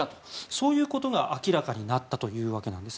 そういうことが明らかになったわけなんです。